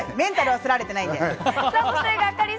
メンタルはすられてないです。